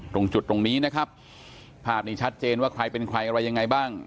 ตรงจุดตรงนี้นะครับภาพนี้ชัดเจนว่าใครเป็นใครอะไรยังไงบ้าง